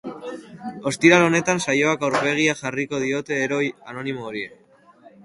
Ostiral honetan saioak aurpegia jarriko die heroi anonimo horiei.